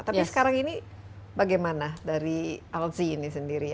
tapi sekarang ini bagaimana dari alzi ini sendiri